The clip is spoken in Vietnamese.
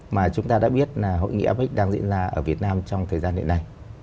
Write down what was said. mà chúng ta đã biết là hội nghị apec đang diễn ra ở việt nam trong thời gian hiện nay